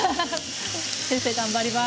先生、頑張ります。